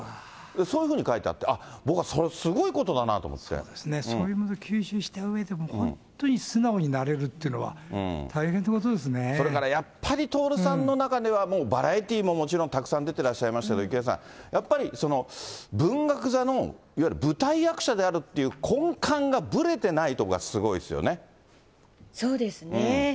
そういうふうに書いてあって、あっ、そうですね、そういうのを吸収したうえで、本当に素直になれるっていうのは、それからやっぱり、徹さんの中では、もうバラエティーももちろんたくさん出てらっしゃいましたけれども、郁恵さん、やっぱりその文学座のいわゆる舞台役者であるっていう、根幹がぶそうですね。